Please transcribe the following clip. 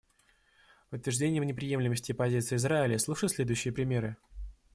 Подтверждением неприемлемости позиции Израиля служат следующие примеры.